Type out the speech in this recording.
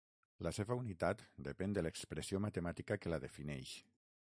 La seva unitat depèn de l’expressió matemàtica que la defineix.